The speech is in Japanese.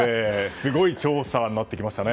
すごい調査になってきましたね。